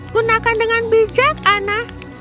gunakan dengan bijak ana